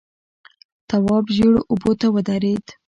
تواب ژېړو اوبو ته ودرېد.